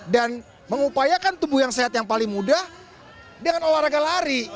dan mengupayakan tubuh yang sehat yang paling mudah dengan olahraga lari